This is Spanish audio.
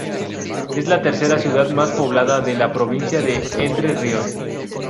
Es la tercera ciudad más poblada de la provincia de Entre Ríos.